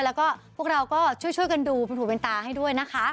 แล้วก็พวกเราก็ช่วยกันดูเป็นหูเป็นตาให้ด้วยนะคะ